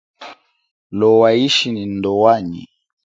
Lowa ishi nyi ndowanyi.